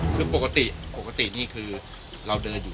คือปกติปกตินี่คือเราเดินอยู่